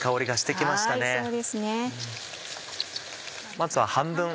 まずは半分。